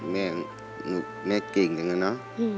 แม่แม่กลิ่งจังเลยเนอะ